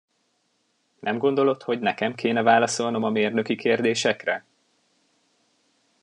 Nem gondolod, hogy nekem kéne válaszolnom a mérnöki kérdésekre?